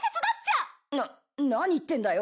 な何言ってんだよ。